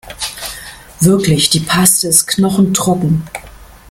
Wirklich, die Paste ist knochentrocken.